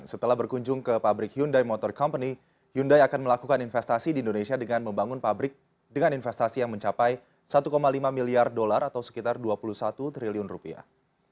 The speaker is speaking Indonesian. setelah berkunjung ke pabrik hyundai motor company hyundai akan melakukan investasi di indonesia dengan membangun pabrik dengan investasi yang mencapai satu lima miliar dolar atau sekitar dua puluh satu triliun rupiah